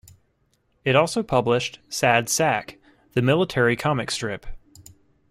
It also published "Sad Sack," the military comic strip.